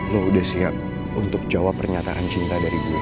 lo udah siap untuk jawab pernyataan cinta dari gue